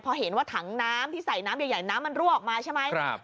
พอเห็นว่าถังน้ำที่ใส่น้ำใหญ่น้ำมันรั่วออกมาใช่ไหม